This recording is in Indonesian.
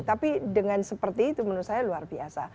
tapi dengan seperti itu menurut saya luar biasa